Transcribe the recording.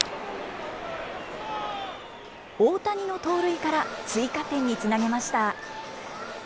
大谷の盗塁から追加点につなげました。